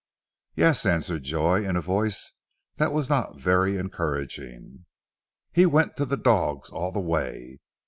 "Yes," answered Joy, in a voice that was not very encouraging. "He went to the dogs all the way.